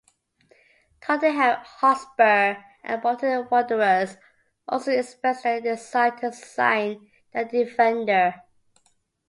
Tottenham Hotspur and Bolton Wanderers also expressed their desire to sign the defender.